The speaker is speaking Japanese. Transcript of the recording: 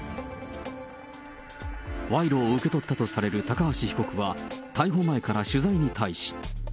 賄賂を受け取ったとされる高橋被告は、逮捕前から取材に対し。